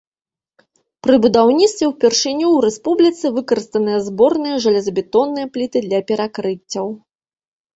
Пры будаўніцтве ўпершыню ў рэспубліцы выкарыстаныя зборныя жалезабетонныя пліты для перакрыццяў.